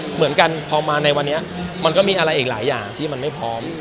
เหมือนกันพอมาในวันนี้มันก็มีอะไรอีกหลายอย่างที่มันไม่พร้อม